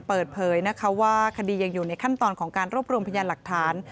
เปิดเผยนะคะว่าคดียังอยู่ในขั้นตอนของการรวบรวมพยานหลักฐาน